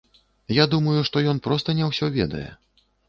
Я думаю, што ён проста не ўсё ведае.